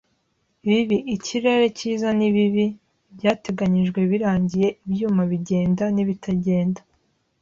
bibi, ikirere cyiza nibibi, ibyateganijwe birangiye, ibyuma bigenda, nibitagenda.